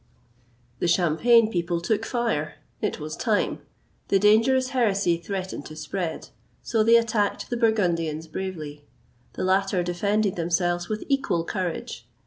The Champagne people took fire it was time the dangerous heresy threatened to spread; so they attacked the Burgundians bravely. The latter defended themselves with equal courage.